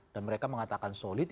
dan mereka mengatakan solid